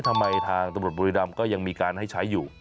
ทางตำรวจบุรีรำก็ยังมีการให้ใช้อยู่